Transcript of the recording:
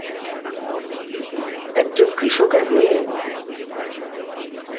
একজন কৃষকের মেয়ে?